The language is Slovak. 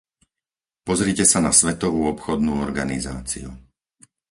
Pozrite sa na Svetovú obchodnú organizáciu.